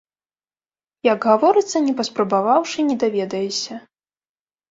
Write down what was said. Як гаворыцца, не паспрабаваўшы, не даведаешся.